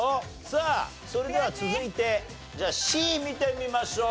さあそれでは続いてじゃあＣ見てみましょう。